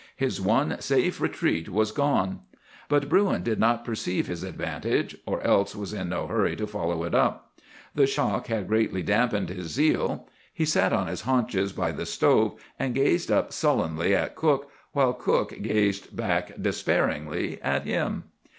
His one safe retreat was gone. But Bruin did not perceive his advantage, or else was in no hurry to follow it up. The shock had greatly dampened his zeal. He sat on his haunches by the stove, and gazed up sullenly at cook, while cook gazed back despairingly at him.